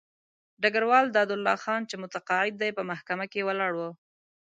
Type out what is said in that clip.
ډګروال دادالله خان چې متقاعد دی په محکمه کې ولاړ وو.